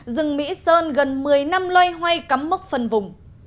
dừng mỹ sơn gần một mươi năm loay hoay cắm mốc phần vùng